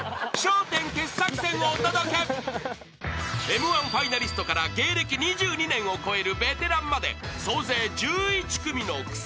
［Ｍ−１ファイナリストから芸歴２２年を超えるベテランまで］